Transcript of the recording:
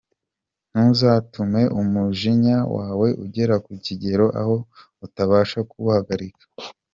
Ntuzatume umujinya wawe ugera ku kigero aho utabasha kuwuhagarika.